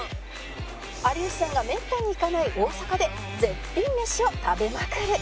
有吉さんがめったに行かない大阪で絶品メシを食べまくる